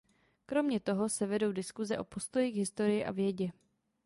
Kromě toho se vedou diskuse o postoji k historii a vědě.